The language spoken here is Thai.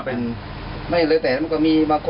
ไม่้เรื่องแรกตายมันก็มาก